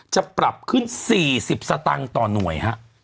จะปรับขึ้น๔๐สตางค์ต่อหน่วยฮะ